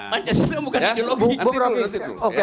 pancasila bukan ideologi